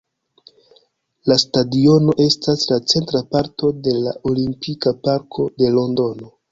La stadiono estas la centra parto de la Olimpika Parko de Londono.